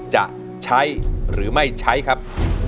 จะใช้หรือไม่ใช้ครับ